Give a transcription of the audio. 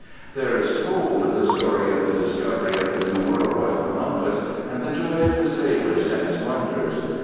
There is told the story of the discovery of the New World by Columbus, and the joy of the sailors in its wonders.